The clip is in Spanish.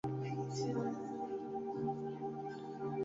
Es diurno, pero inactivo durante las horas de mayor calor.